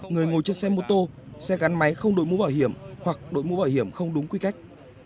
người ngồi trên xe mô tô xe gắn máy không đổi mũ bảo hiểm hoặc đội mũ bảo hiểm không đúng quy cách